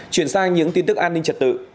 chuyển sang những tin tức an ninh trật tự